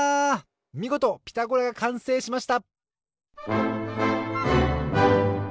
みごと「ピタゴラ」がかんせいしました！